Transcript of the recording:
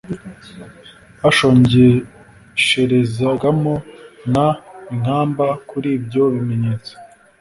bashongesherezagamo n inkamba Kuri ibyo bimenyetso